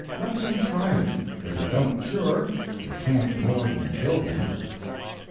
Let them try it; if it don't cure, it can't more than kill them.